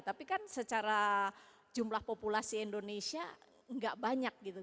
tapi kan secara jumlah populasi indonesia nggak banyak gitu